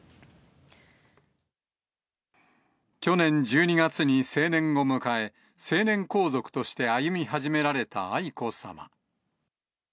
去年１２月に成年を迎え、成年皇族として歩み始められた愛子さま。